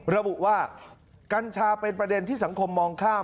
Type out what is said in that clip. ระบุว่ากัญชาเป็นประเด็นที่สังคมมองข้าม